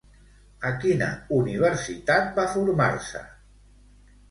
A quina universitat va formar-se?